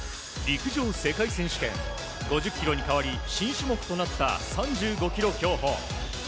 陸上世界選手権５０ｋｍに代わり新種目となった３５ｋｍ競歩。